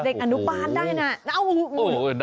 เด็กอนุบาลได้นะ